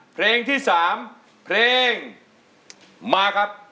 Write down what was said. เพลงที่๓เพลงมาครับ